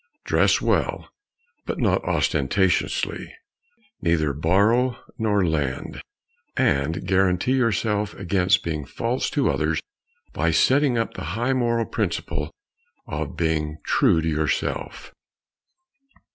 Dress well, but not ostentatiously. Neither borrow nor lend. And guarantee yourself against being false to others by setting up the high moral principle of being true to yourself.